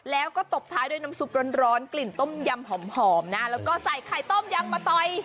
แล้วก็ตบท้ายด้วยน้ำซุปร้อนกลิ่นต้มยำหอมนะแล้วก็ใส่ไข่ต้มยำมาต่อย